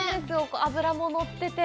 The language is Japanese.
脂も乗ってて。